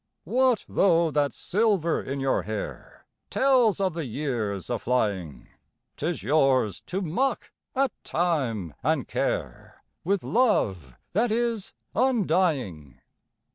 What though that silver in your hair Tells of the years aflying? 'T is yours to mock at Time and Care With love that is undying.